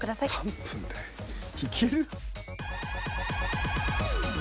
３分でいける？